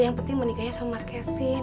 yang penting menikahnya sama mas kevin